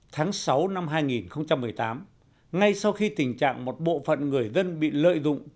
tháng sáu năm hai nghìn một mươi tám ngay sau khi tình trạng một bộ phận người dân bị lợi dụng